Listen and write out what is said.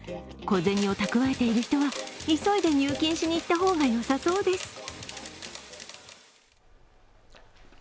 小銭を蓄えている人は急いで入金しにいった方がよさそうです。